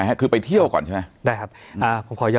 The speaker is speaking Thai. สวัสดีครับทุกผู้ชม